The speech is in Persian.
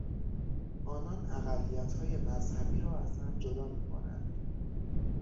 آنان اقلیتهای مذهبی را از هم جدا میکنند.